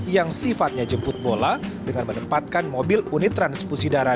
yang sifatnya jemput bola dengan menempatkan mobil unit transfusi darah